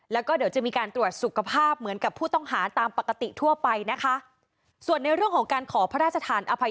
แล้วก็เดี๋ยวจะมีการตรวจสุขภาพเหมือนกับผู้ต้องหาตามปกติทั่วไปนะคะ